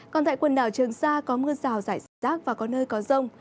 còn tại quần đảo trường sa có mưa rào rải rác và có nơi có rông